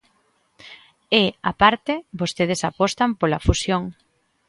E, á parte, vostedes apostan pola fusión.